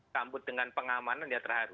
kambut dengan pengamanan ya terharu